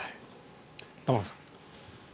玉川さん。